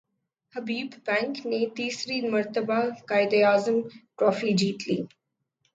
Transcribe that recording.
حبیب Bank نے تیسری مرتبہ قائد اعظم ٹرافی جیت لی